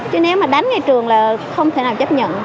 chứ nếu mà đánh ngay trường là không thể nào chấp nhận